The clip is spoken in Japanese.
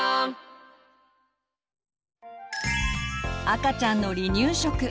赤ちゃんの離乳食。